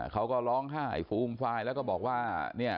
เขาก็ร้องไห้ฟูมฟายแล้วก็บอกว่า